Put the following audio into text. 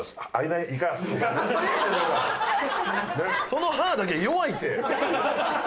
その歯だけ弱いって。